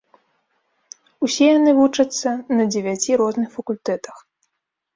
Усе яны вучацца на дзевяці розных факультэтах.